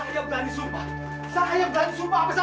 jalan jalan jalan